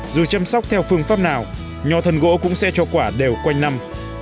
dù chăm sóc theo phương pháp nào nhò thần gỗ cũng sẽ cho quả đều quanh năm